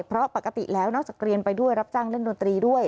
เพราะปกติแล้วนอกจากเรียนไปด้วยรับจ้างเล่นดนตรีด้วย